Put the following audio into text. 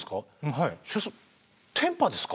はい。